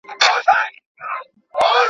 د پښتنو درنې جرګې به تر وړۍ سپکي سي.